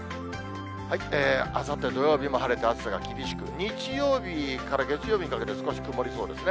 あさって土曜日も晴れて、暑さが厳しく、日曜日から月曜日にかけて少し曇りそうですね。